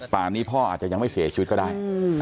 ป่านนี้พ่ออาจจะยังไม่เสียชีวิตก็ได้